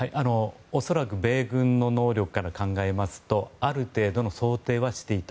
恐らく米軍の能力から考えますとある程度の想定はしていた。